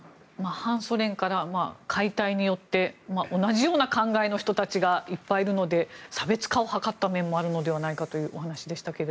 反ソ連から、解体によって同じような考えの人たちがいっぱいいるので差別化を図った面もあるのではないかというお話でしたが。